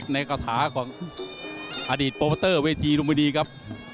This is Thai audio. สวายน้ำเงินดิกในกระถาของอดีตพอร์ตเตอร์เวทีภูมิดีครับ